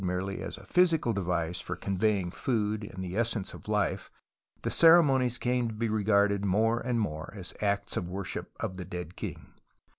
merely as a physical device for conveying food and the essence of life the ceremonies came to be regarded more and more as acts of Avorship of the dead king.